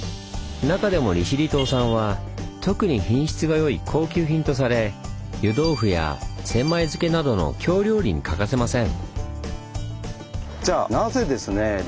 中でも利尻島産は特に品質が良い高級品とされ湯豆腐や千枚漬などの京料理に欠かせません。